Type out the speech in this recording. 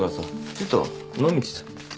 ちょっと飲み行ってた。